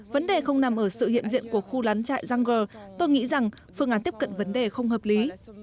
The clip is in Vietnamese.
vấn đề không nằm ở sự hiện diện của khu lán trại răng gờ tôi nghĩ rằng phương án tiếp cận vấn đề không hợp lý